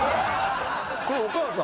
これお母さん？